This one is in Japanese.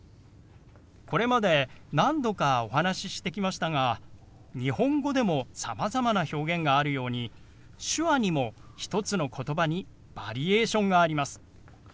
これまで何度かお話ししてきましたが日本語でもさまざまな表現があるように手話にも１つの言葉にバリエーションがあります。